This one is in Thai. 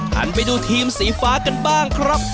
หันไปดูทีมสีฟ้ากันบ้างครับ